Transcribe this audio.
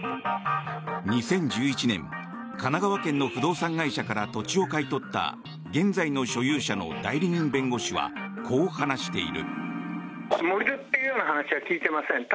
２０１１年神奈川県の不動産会社から土地を買い取った現在の所有者の代理人弁護士はこう話している。